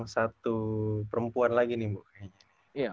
satu perempuan lagi nih